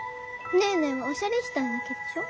ネーネーはおしゃれしたいだけでしょ？